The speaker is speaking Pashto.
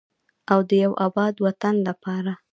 او د یو اباد وطن لپاره.